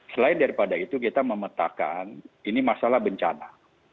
selain daripada itu kita memetakan ini masalah bencana